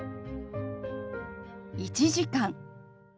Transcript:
「１時間」。